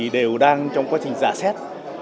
đều đang trong quá trình giả xét